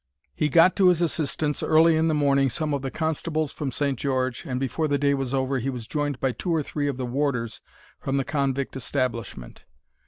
He got to his assistance early in the morning some of the constables from St. George, and before the day was over, he was joined by two or three of the warders from the convict establishment.